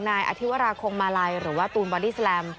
นายอธิวราคงมาลัยหรือว่าตูนบอดี้แลม